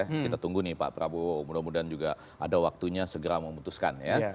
kita tunggu nih pak prabowo mudah mudahan juga ada waktunya segera memutuskan ya